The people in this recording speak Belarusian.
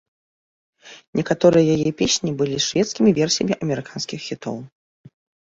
Некаторыя яе песні былі шведскімі версіямі амерыканскіх хітоў.